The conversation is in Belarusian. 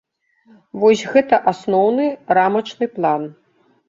Вось гэта асноўны, рамачны план.